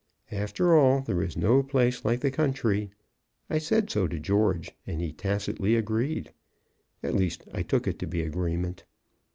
After all, there is no place like the country. I said so to George, and he tacitly agreed. At least, I took it to be agreement.